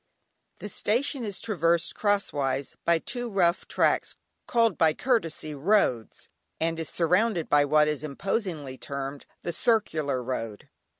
The Station is traversed crosswise by two rough tracks called by courtesy roads, and is surrounded by what is imposingly termed "The Circular Road."